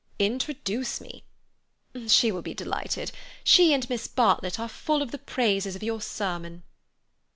"Introduce me." "She will be delighted. She and Miss Bartlett are full of the praises of your sermon."